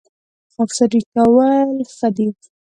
خاکساري کول ښه دي